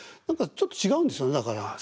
何かちょっと違うんですよねだから。